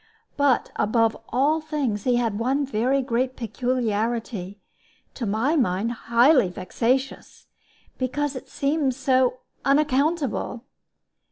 But above all things he had one very great peculiarity, to my mind highly vexatious, because it seemed so unaccountable.